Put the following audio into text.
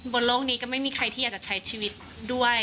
บนโลกนี้ก็ไม่มีใครที่อยากจะใช้ชีวิตด้วย